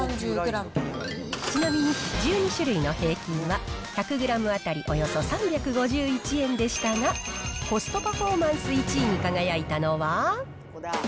ちなみに１２種類の平均は１００グラム当たりおよそ３５１円でしたが、コストパフォーマンス１位に輝いたのは。